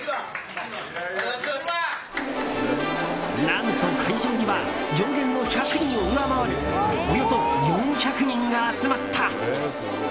何と、会場には上限の１００人を上回るおよそ４００人が集まった。